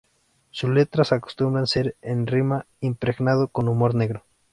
Sus letras acostumbran ser en rima, impregnado con humor negro.